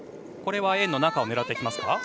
これは円の中を狙ってきますか？